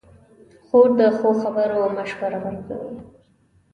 خور د ښو خبرو مشوره ورکوي.